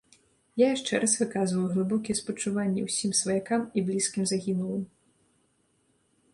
Я яшчэ раз выказваю глыбокія спачуванні ўсім сваякам і блізкім загінулым.